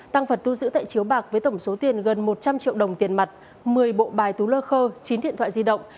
tăng vật thu giữ tại chiếu bạc với tổng số tiền gần một trăm linh triệu đồng tiền mặt một mươi bộ bài tú lơ khơ chín điện thoại di động